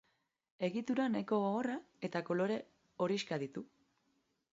Egitura nahiko gogorra eta kolore horixka ditu.